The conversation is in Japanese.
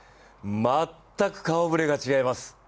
全く顔ぶれが違います。